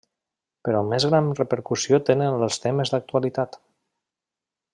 Però més gran repercussió tenen els temes d’actualitat.